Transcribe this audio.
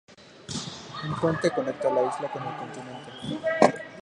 Un puente conecta la isla con el continente.